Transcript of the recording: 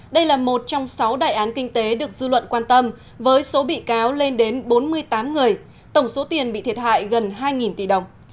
đây là một trong sáu đại án kinh tế được dư luận quan tâm với số bị cáo lên đến bốn mươi tám người tổng số tiền bị thiệt hại gần hai tỷ đồng